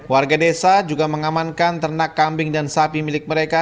warga desa juga mengamankan ternak kambing dan sapi milik mereka